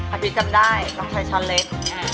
อันนี้จำได้ต้องใช้ช้อนเล็ก